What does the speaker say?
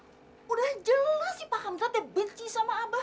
sudah jelas si pak hamzah teh benci sama abah